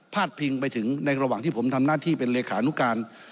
ดพิงไปถึงในระหว่างที่ผมทำหน้าที่เป็นเลขานุการ